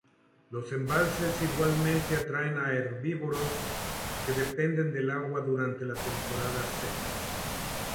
Los embalses igualmente atraen a herbívoros que dependen del agua durante la temporada seca.